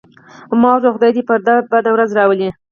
ما ورته وویل: خدای دې پرې بده ورځ راولي.